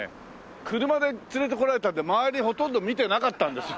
車で連れてこられたんで周りほとんど見てなかったんです。